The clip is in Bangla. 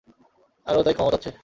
আর ও তাই ক্ষমাও চাচ্ছে।